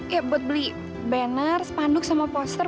ya buat beli banner spanduk sama poster